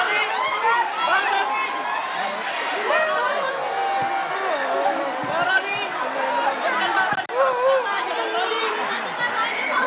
dan juga melihat status gc atau justice collaboration